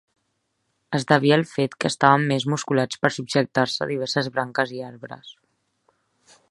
Es devia al fet que estaven més musculats per subjectar-se a diverses branques i arbres.